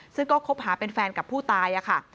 ซึ่งก็คบหาเป็นแฟนกับผู้ตายค่ะ